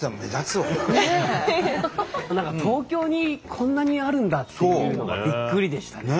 何か東京にこんなにあるんだっていうのがびっくりでしたね。